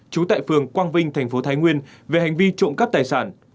trú tại phường quang vinh tp thái nguyên về hành vi trộm cắp tài sản